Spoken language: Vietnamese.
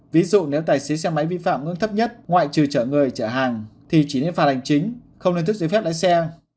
ví dụ nếu tài xế xe máy vi phạm ngưỡng thấp nhất ngoại trừ trở người chở hàng thì chỉ nên phạt hành chính không nên thức giấy phép lái xe